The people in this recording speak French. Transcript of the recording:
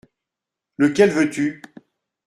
Lequel veux-tu ?